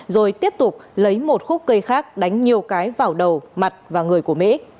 rồi tiếp tục lấy một khúc cây khác đánh nhiều cái vào đầu mặt và người của mỹ